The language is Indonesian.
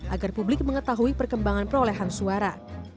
agar publik mengetahui perkembangan perolehan suara